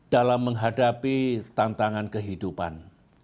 dalam menghadapi tantangan kehidupan